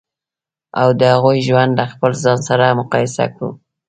او د هغوی ژوند له خپل ځان سره مقایسه کړو.